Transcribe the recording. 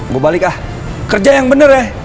gue balik ah kerja yang bener ya